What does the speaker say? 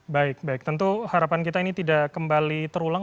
baik baik tentu harapan kita ini tidak kembali terulang